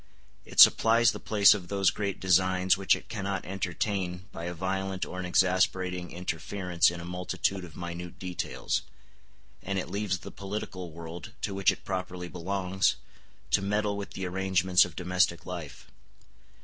It supplies the place of those great designs which it cannot entertain by a violent or an exasperating interference in a multitude of minute details; and it leaves the political world, to which it properly belongs, to meddle with the arrangements of domestic life.